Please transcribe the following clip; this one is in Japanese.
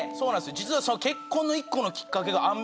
実は。